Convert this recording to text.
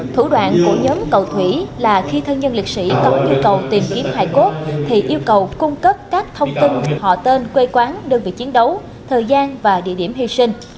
thủ đoạn của nhóm cầu thủy là khi thân nhân liệt sĩ có nhu cầu tìm kiếm hải cốt thì yêu cầu cung cấp các thông tin họ tên quê quán đơn vị chiến đấu thời gian và địa điểm hy sinh